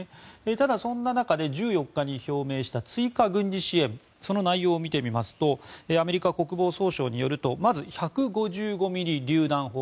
ただ、そんな中で１４日に表明した追加軍事支援その内容を見てみますとアメリカ国防総省によるとまず、１５５ｍｍりゅう弾砲。